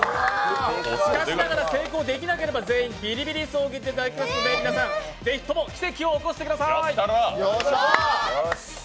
しかしながら成功できなければ全員ビリビリ椅子を受けていただきますので皆さん、是非とも奇跡を起こしてください。